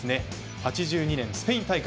８２年のスペイン大会。